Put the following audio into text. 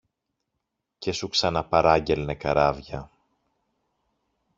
και σου ξαναπαράγγελνε καράβια